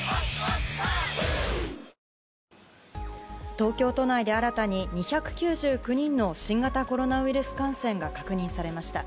東京都内で新たに２９９人の新型コロナウイルス感染が確認されました。